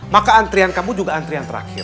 maka antrian kamu juga antrian terakhir